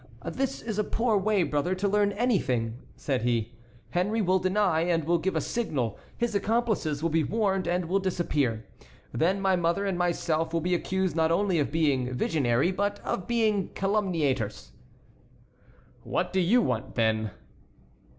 "This is a poor way, brother, to learn anything," said he. "Henry will deny, will give a signal, his accomplices will be warned and will disappear. Then my mother and myself will be accused not only of being visionary but of being calumniators." "What do you want, then?"